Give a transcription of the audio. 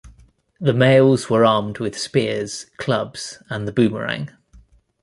The males were armed with spears, clubs, and the boomerang.